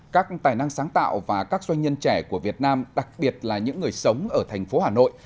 các tài năng sáng tạo và các doanh nhân trẻ của việt nam đặc biệt là những người sống ở thành phố hà nội